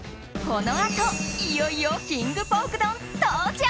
このあと、いよいよキングポーク丼登場。